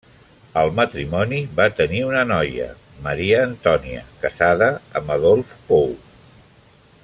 El matrimoni va tenir una noia, Maria Antònia, casada amb Adolf Pou.